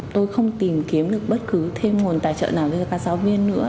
tôi không tìm kiếm được bất cứ thêm nguồn tài trợ nào cho các giáo viên nữa